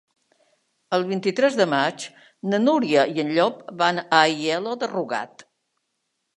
El vint-i-tres de maig na Núria i en Llop van a Aielo de Rugat.